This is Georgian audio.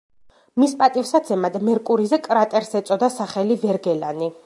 მის პატივსაცემად მერკურიზე კრატერს ეწოდა სახელი ვერგელანი.